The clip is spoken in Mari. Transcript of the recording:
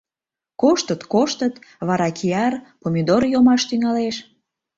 — Коштыт, коштыт, вара кияр, помидор йомаш тӱҥалеш!